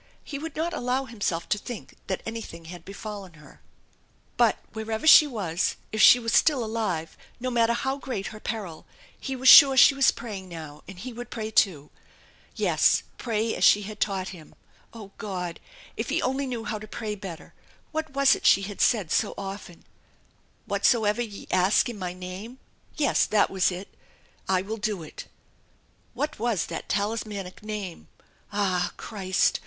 He would not allow himself to think that anything had befallen her. But wherever she was, if she was still alive, no matter how great her peril, he was sure she was praying now, and he would pray too ! Yes, pray as she had taught him. Oh, God! If he only knew how to pray better ! What was it she had said so often ?" Whatsoever ye ask in my name " yes, that was it " I will do it/' What was that talismanic Name? Ah! Christ!